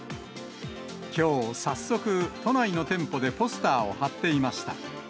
きょう、早速、都内の店舗でポスターを貼っていました。